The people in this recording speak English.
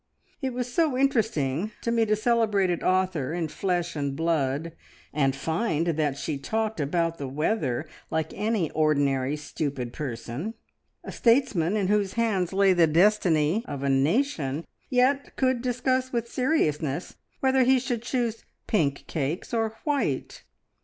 It was so interesting to meet a celebrated author in flesh and blood, and find that she talked about the weather like any ordinary stupid person; a statesman in whose hands lay the destiny of a nation, yet could discuss with seriousness whether he should choose pink cakes or white.